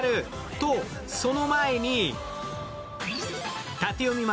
と、その前に。